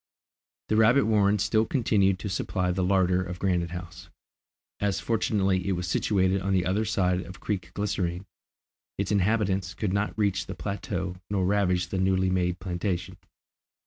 The rabbit warren still continued to supply the larder of Granite House. As fortunately it was situated on the other side of Creek Glycerine, its inhabitants could not reach the plateau nor ravage the newly made plantation.